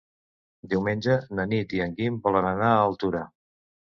Diumenge na Nit i en Guim volen anar a Altura.